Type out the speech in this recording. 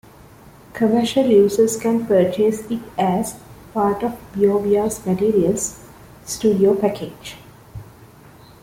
Commercial users can purchase it as part of Biovia's Materials Studio package.